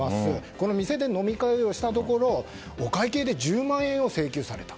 この店で飲み会をしたところお会計で１０万円を請求された。